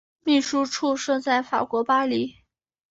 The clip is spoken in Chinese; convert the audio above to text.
秘书处设在法国巴黎。